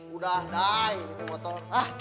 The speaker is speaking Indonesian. udah dah ini motor